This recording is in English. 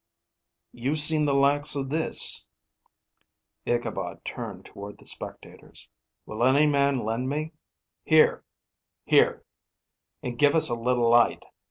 "You've seen the likes of this " Ichabod turned toward the spectators. "Will any man lend me " "Here " "Here " "And give us a little light."